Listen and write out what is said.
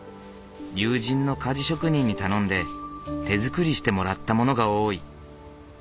友人の鍛冶職人に頼んで手作りしてもらったものが多い。